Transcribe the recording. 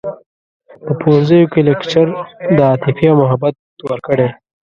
په پوهنځیوکې لکچر د عاطفې او محبت ورکړی